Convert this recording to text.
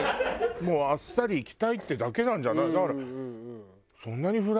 もうあっさりいきたいってだけなんじゃない？だから。